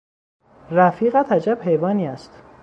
رفیقت عجب حیوانی است!